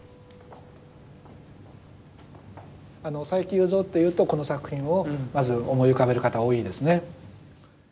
佐伯祐三っていうとこの作品をまず思い浮かべる方が多いですね。